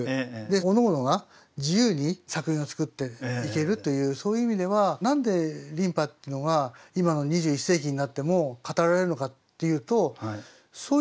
でおのおのが自由に作品を作っていけるというそういう意味ではなんで琳派っていうのが今の２１世紀になっても語られるのかっていうとそういうところがあると思いますよ。